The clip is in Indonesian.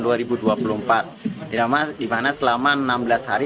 di mana selama enam belas hari kita melakukan operasi